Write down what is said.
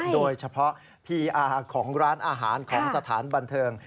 โดยเฉพาะพีอาร์ของร้านอาหารของสถานบันเทิง